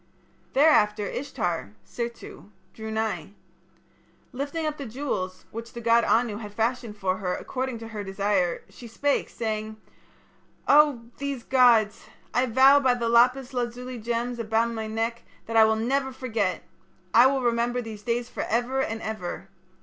"Thereafter Ishtar (Sirtu) drew nigh. Lifting up the jewels, which the god Anu had fashioned for her according to her desire, she spake, saying: 'Oh! these gods! I vow by the lapis lazuli gems upon my neck that I will never forget! I will remember these days for ever and ever.